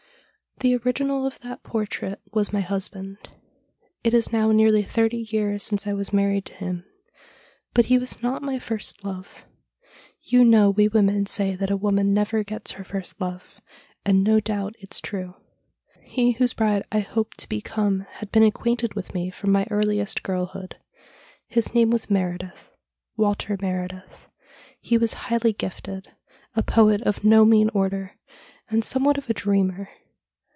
' The original of that portrait was my husband. It is now nearly thirty years since I was married to him. But he was not my first love : you know we women say that a woman never gets her first love, and no doubt it's true. He whose bride I hoped to become had been acquainted with me from my earliest girlhood. His name was Meredith — Walter Meredith. He was highly gifted ; a poet of no mean order, and somewhat of a dreamer.